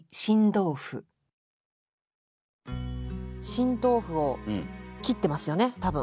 新豆腐を切ってますよね多分。